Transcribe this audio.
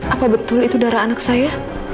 apa betul itu darah anak saya